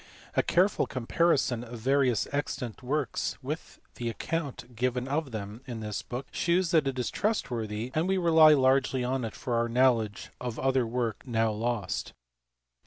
A careful comparison of various extant works with the account given of them in this book shews that it is trustworthy, and we rely largely on it for our knowledge of other works now lost.